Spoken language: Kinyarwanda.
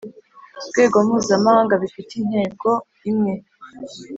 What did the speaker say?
Rwego mpuzamahanga bifite intego imwe